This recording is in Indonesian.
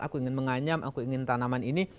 aku ingin menganyam aku ingin tanaman ini